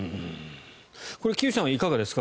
木内さんはいかがですか。